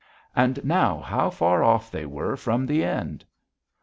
And now how far off they were from the end!